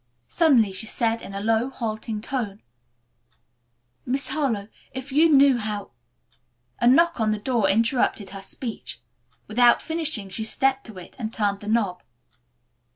Suddenly she said in a low, halting tone, "Miss Harlowe, if you knew how " A knock on the door interrupted her speech. Without finishing, she stepped to it and turned the knob.